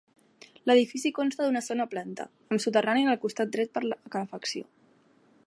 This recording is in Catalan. L'edifici consta d'una sola planta, amb soterrani en el costat dret per la calefacció.